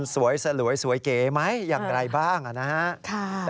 สวยสลวยสวยเก๋ไหมอย่างไรบ้างนะครับ